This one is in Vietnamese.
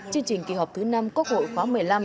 chương trình kỳ họp thứ năm quốc hội khóa một mươi năm